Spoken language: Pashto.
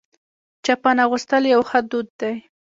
چپن اغوستل یو ښه دود دی.